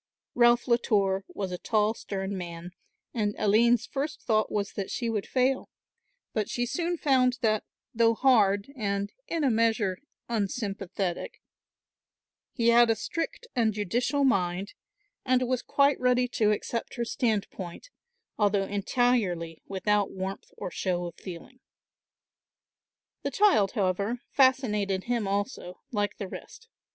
Ralph Latour was a tall stern man and Aline's first thought was that she would fail, but she soon found that, though hard and in a measure unsympathetic, he had a strict and judicial mind, and was quite ready to accept her standpoint, although entirely without warmth or show of feeling. The child, however, fascinated him also, like the rest.